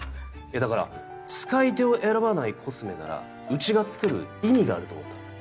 だから使い手を選ばないコスメならうちが作る意味があると思ったんだ。